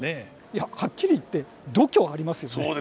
いやはっきり言って度胸ありますよね。